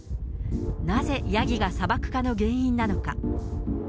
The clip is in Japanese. なぜ、ヤギが砂漠化の原因なのか。